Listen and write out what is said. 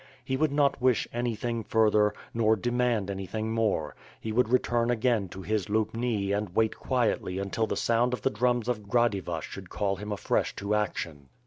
He would not wish anything further, nor demand anything more. Jle would return again to his Lubni and wait quietly until the sound of the drums of Gradyva should call him afresh to action.